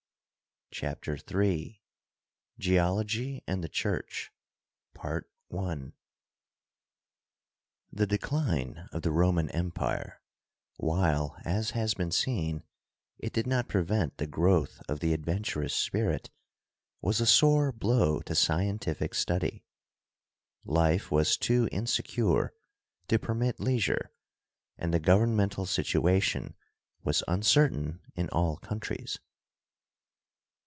CHAPTER III GEOLOGY AND THE CHURCH The decline of the Roman Empire, while, as has been seen, it did not prevent the growth of the adventurous spirit, was a sore blow to scientific study. Life was too insecure to permit leisure, and the governmental situation was uncertain in all countries.